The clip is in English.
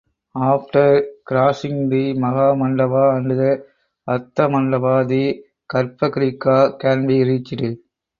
After crossing the maha mandapa and the artha mandapa the Garbhagriha can be reached.